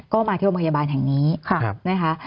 ก็มาที่โรงพยาบาลแห่งนี้นะคะ